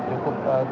itu bukan banyak